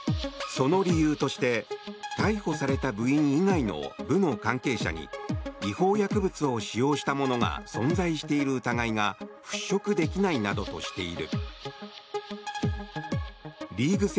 その理由として逮捕された部員以外の部の関係者に違法薬物を使用した者が存在している疑いが払しょくできないなどとしている。